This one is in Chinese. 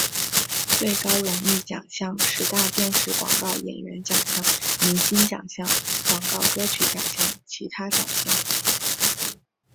最高荣誉奖项十大电视广告演员奖项明星奖项广告歌曲奖项其他奖项